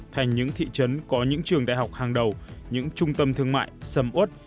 thành những thị trấn có những trường đại học hàng đầu những trung tâm thương mại sầm út